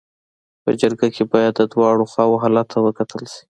په جرګه کي باید د دواړو خواو حالت ته وکتل سي.